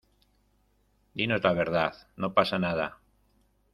dinos la verdad. no pasa nada .